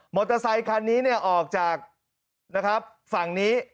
มอเตอร์ไซคันนี้ออกจากฝั่งนี้